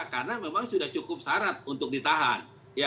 karena memang sudah cukup syarat untuk ditahan